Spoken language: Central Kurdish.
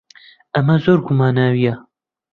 ئەمە زۆر گوماناوییە.